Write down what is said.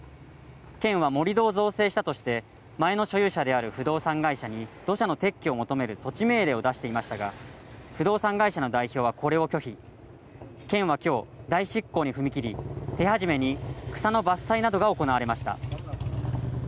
県は盛り土を造成したとして前の所有者である不動産会社に土砂の撤去を求める措置命令を出していましたが不動産会社の代表はこれを拒否県は今日、代執行に踏み切り手始めに草の伐採などが行われました